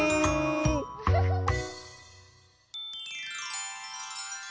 フフフフ。